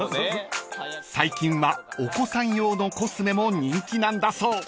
［最近はお子さん用のコスメも人気なんだそう］